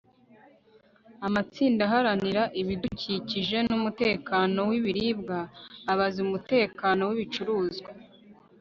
Amatsinda aharanira ibidukikije numutekano wibiribwa abaza umutekano wibicuruzwa